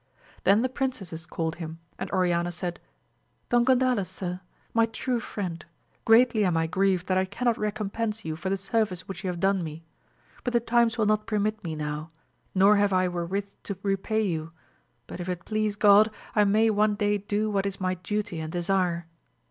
Then the princesses called him, and Oriana said, Don Gandales, sir, my true friend, greatly am I grieved that I cannot recom pense you for the service which you have done me ; but the times will not permit me now, nor have I wherewith to repay you, but if it please God I may one day do what is my duty and desire.